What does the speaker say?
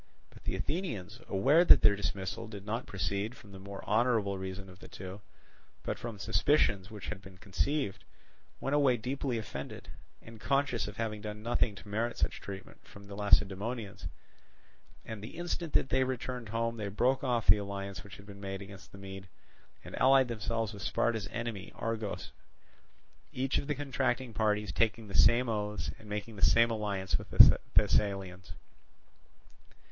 But the Athenians, aware that their dismissal did not proceed from the more honourable reason of the two, but from suspicions which had been conceived, went away deeply offended, and conscious of having done nothing to merit such treatment from the Lacedaemonians; and the instant that they returned home they broke off the alliance which had been made against the Mede, and allied themselves with Sparta's enemy Argos; each of the contracting parties taking the same oaths and making the same alliance with the Thessalians.